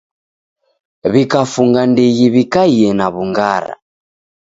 W'ikafunga ndighi w'ikaie na w'ungara.